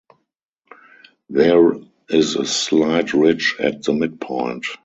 There is a slight ridge at the midpoint.